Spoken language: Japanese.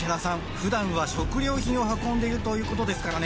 普段は食料品を運んでいるということですからね